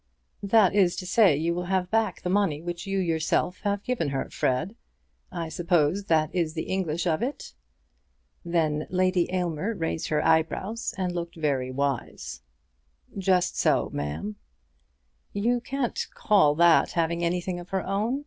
"That is to say, you will have back the money which you yourself have given her, Fred. I suppose that is the English of it?" Then Lady Aylmer raised her eyebrows and looked very wise. "Just so, ma'am." "You can't call that having anything of her own.